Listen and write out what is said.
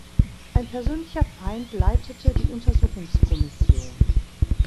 Ein persönlicher Feind leitete die Untersuchungskommission.